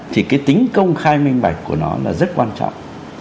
thì cái tính công khai minh bạch của nó là rất quan trọng